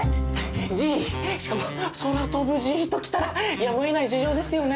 Ｇしかも空飛ぶＧときたらやむを得ない事情ですよね？